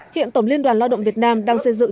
hiện tổng liên đoàn lao động việt nam đang xây dựng